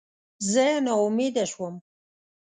زه ناامیده شوم.